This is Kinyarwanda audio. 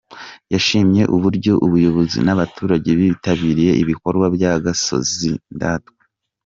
Yashimye uburyo ubuyobozi n’abaturage bitabiriye ibikorwa by’agasozi ndatwa.